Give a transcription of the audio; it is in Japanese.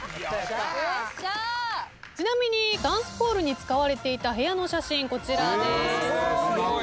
ちなみにダンスホールに使われていた部屋の写真こちらです。